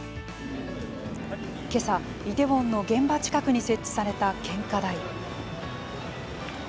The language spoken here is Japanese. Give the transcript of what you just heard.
けさ、イテウォンの現場近くに設置された献花台。